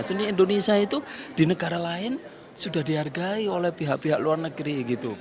seni indonesia itu di negara lain sudah dihargai oleh pihak pihak luar negeri gitu